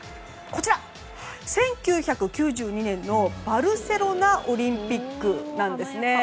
１９９２年のバルセロナオリンピックです。